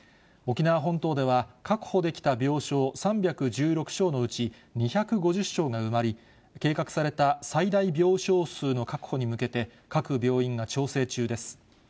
沖縄本島では、確保できた病床３１６床のうち、２５０床が埋まり、計画された最大病床数の確保に向けて、各病院が調整中です。